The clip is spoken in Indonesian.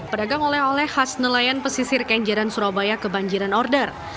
pedagang oleh oleh khas nelayan pesisir kenjeran surabaya kebanjiran order